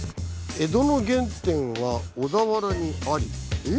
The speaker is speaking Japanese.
「江戸の原点は小田原にあり？」。